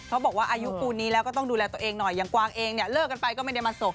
บอกว่าอายุปูนนี้แล้วก็ต้องดูแลตัวเองหน่อยอย่างกวางเองเนี่ยเลิกกันไปก็ไม่ได้มาส่ง